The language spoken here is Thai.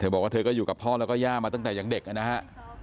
บอกว่าเธอก็อยู่กับพ่อแล้วก็ย่ามาตั้งแต่ยังเด็กนะฮะ